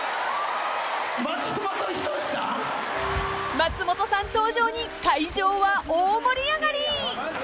［松本さん登場に会場は大盛り上がり！］